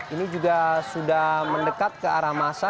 ini juga sudah mendekat ke arah masa